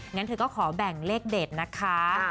งั้นเธอก็ขอแบ่งเลขเด็ดนะคะ